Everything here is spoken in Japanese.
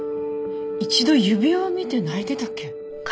一度指輪を見て泣いてたっけ。